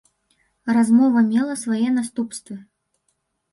Размова мела свае наступствы.